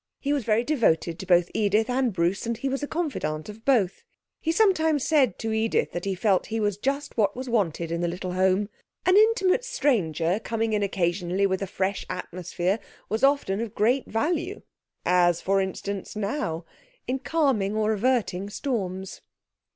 He was very devoted to both Edith and Bruce, and he was a confidant of both. He sometimes said to Edith that he felt he was just what was wanted in the little home; an intimate stranger coming in occasionally with a fresh atmosphere was often of great value (as, for instance, now) in calming or averting storms.